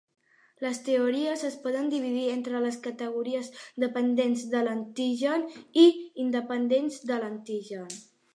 Les teories es poden dividir entre les categories dependents de l'antigen i independents de l'antigen.